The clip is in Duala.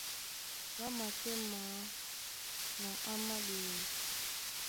Ɓá makɛ́ maa na áma a ɓeyɛy.